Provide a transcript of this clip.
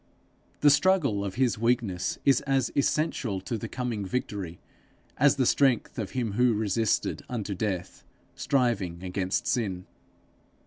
The struggle of his weakness is as essential to the coming victory as the strength of Him who resisted unto death, striving against sin.